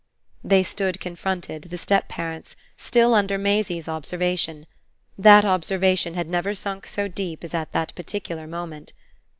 They stood confronted, the step parents, still under Maisie's observation. That observation had never sunk so deep as at this particular moment.